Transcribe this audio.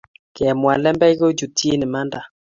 Kemwa lembech ko chutchin imanda